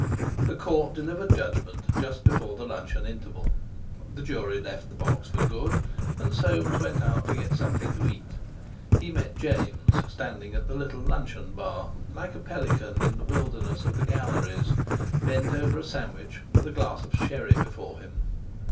The court delivered judgment just before the luncheon interval. The jury left the box for good, and Soames went out to get something to eat. He met James standing at the little luncheon bar, like a pelican in the wilderness of the galleries, bent over a sandwich with a glass of sherry before him.